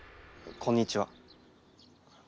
こんにちは。